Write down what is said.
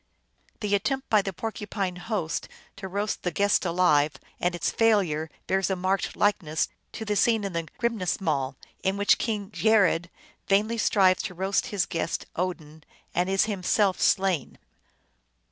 The attempt by the Porcupine host to roast the guest alive and its failure bears a marked likeness to the scene in the Grimnismal, in which King Geirrod vainly strives to roast his guest, Odin, and is himself slain.